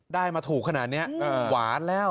ได้มาถูกขนาดนี้หวานแล้ว